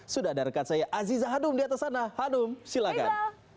sudah ada rekan saya aziza hanum di atas sana hanum silakan